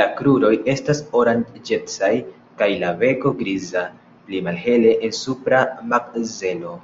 La kruroj estas oranĝecaj kaj la beko griza, pli malhele en supra makzelo.